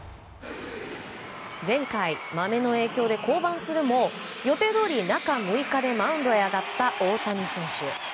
前回、マメの影響で降板するも予定どおり、中６日でマウンドに上がった大谷選手。